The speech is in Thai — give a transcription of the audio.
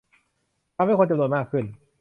ทำให้คนจำนวนมากขึ้น